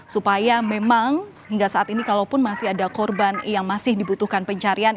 supaya memang hingga saat ini kalaupun masih ada korban yang masih dibutuhkan pencarian